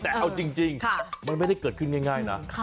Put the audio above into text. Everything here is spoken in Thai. แต่เอาจริงมันไม่ได้เกิดขึ้นง่ายนะ